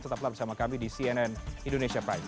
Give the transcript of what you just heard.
tetaplah bersama kami di cnn indonesia prime